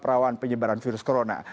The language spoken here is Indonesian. perawan penyebaran virus corona